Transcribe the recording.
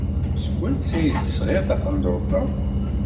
Seg wansi ay d-tesɣiḍ taqendurt-a?